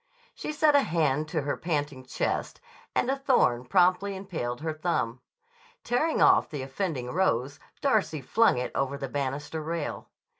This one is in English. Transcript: She set a hand to her panting chest and a thorn promptly impaled her thumb. Tearing off the offending rose Darcy flung it over the banister rail.